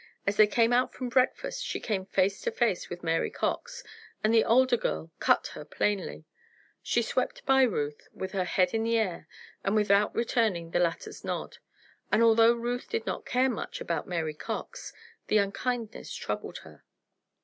As they came out from breakfast she came face to face with Mary Cox, and the older girl "cut" her plainly. She swept by Ruth with her head in the air and without returning the latter's nod, and although Ruth did not care much about Mary Cox, the unkindness troubled her.